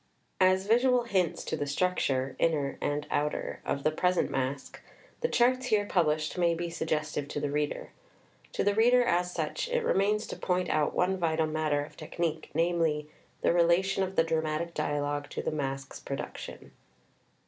As visual hints to the structure (Inner and Outer) of the present Masque, the charts here published may be suggestive to the reader. To the reader as such it re mains to point out one vital matter of technique, namely, the relation of the dramatic dialogue to the Masque's production.